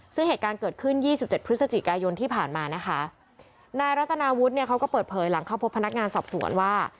ซึ่งเหตุการณ์เกิดขึ้นยี่สิบเจ็ดพฤศจิกายนที่ผ่านมานะคะนายรัตนาวุฒิเนี่ยเขาก็เปิดเผยหลังเข้าพบพนักงานสอบสวนว่า